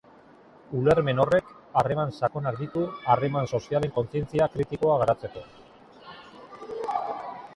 Ulermen horrek harreman sakonak ditu harreman sozialen kontzientzia kritikoa garatzeko.